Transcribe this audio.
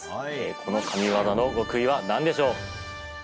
この神技の極意は何でしょう。